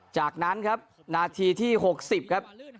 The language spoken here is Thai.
จากนั้นครับนาทีที่๖๐ครับ